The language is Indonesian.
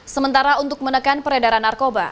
sementara untuk menekan peredaran narkoba